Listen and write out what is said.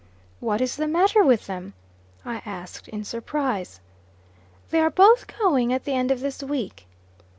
"What is the matter with them?" I asked, in surprise. "They are both going at the end of this week."